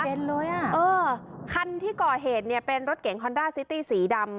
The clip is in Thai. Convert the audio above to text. เห็นเลยอะคันที่ก่อเหตุเป็นรถเก๋งคอนดาร์ซิตี้สีดำ